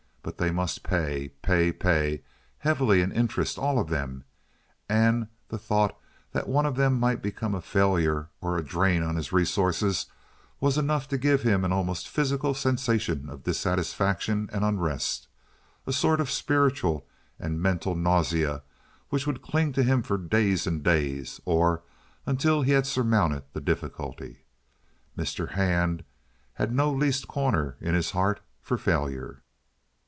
But they must pay, pay, pay heavily in interest—all of them—and the thought that one of them might become a failure or a drain on his resources was enough to give him an almost physical sensation of dissatisfaction and unrest, a sort of spiritual and mental nausea which would cling to him for days and days or until he had surmounted the difficulty. Mr. Hand had no least corner in his heart for failure.